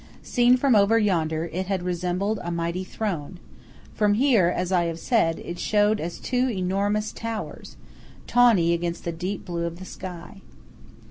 Seen from over yonder, it had resembled a mighty throne; from here, as I have said, it showed as two enormous towers, tawny against the deep blue of the sky.